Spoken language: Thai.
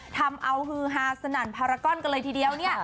ทำเอาฮือฮาสนั่นพารากอนกันเลยทีเดียวเนี่ย